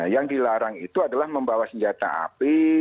yang dilarang itu adalah membawa senjata api